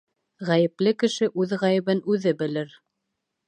Ғәйепле кеше үҙ ғәйебен үҙе белер.